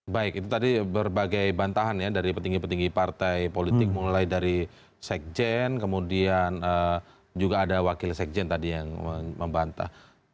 baik itu tadi berbagai bantahan ya dari petinggi petinggi partai politik mulai dari sekjen kemudian juga ada wakil sekjen tadi yang membantah